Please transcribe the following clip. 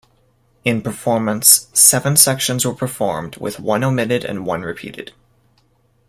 In performance, seven sections were performed, with one omitted and one repeated.